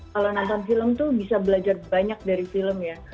kalau nonton film tuh bisa belajar banyak dari film ya